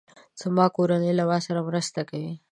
زما کورنۍ له ما سره مرسته کوي.